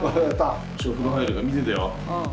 風呂入るから見ててよ。